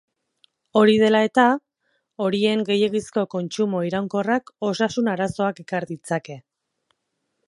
Hori dela eta, horien gehiegizko kontsumo iraunkorrak osasun-arazoak ekar ditzake.